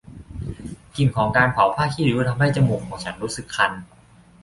กลิ่นของการเผาผ้าขี้ริ้วทำให้จมูกของฉันรู้สึกคัน